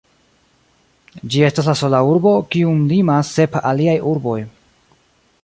Ĝi estas la sola urbo, kiun limas sep aliaj urboj.